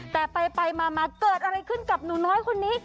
แต่ไปมาเกิดอะไรขึ้นกับหนูน้อยคนนี้